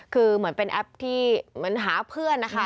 คือเหมือนเป็นแอปที่เหมือนหาเพื่อนนะคะ